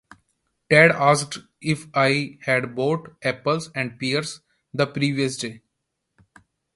Ted asked if I had bought apples and pears the previous day.